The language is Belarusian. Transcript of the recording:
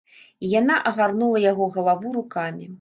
І яна агарнула яго галаву рукамі.